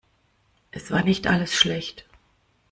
Es war nicht alles schlecht.